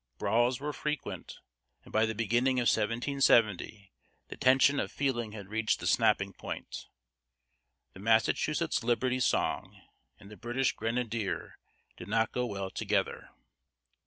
Brawls were frequent, and by the beginning of 1770 the tension of feeling had reached the snapping point. The "Massachusetts Liberty Song" and "The British Grenadier" did not go well together.